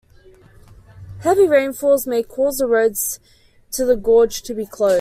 Heavy rainfalls may cause the roads to the gorge to be closed.